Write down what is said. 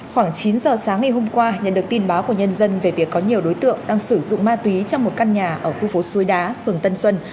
khoảng chín giờ sáng ngày hôm qua nhận được tin báo của nhân dân về việc có nhiều đối tượng đang sử dụng ma túy trong một căn nhà ở khu phố suối đá phường tân xuân